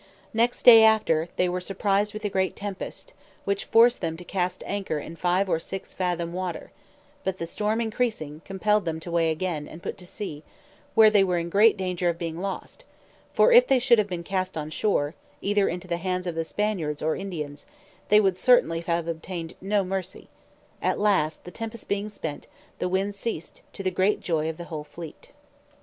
Next day after, they were surprised with a great tempest, which forced them to cast anchor in five or six fathom water: but the storm increasing, compelled them to weigh again, and put to sea, where they were in great danger of being lost; for if they should have been cast on shore, either into the hands of the Spaniards or Indians, they would certainly have obtained no mercy: at last, the tempest being spent, the wind ceased, to the great joy of the whole fleet.